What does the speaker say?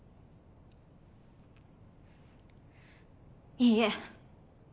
いいえ。